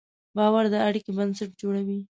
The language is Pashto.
باور د اړیکې بنسټ جوړوي.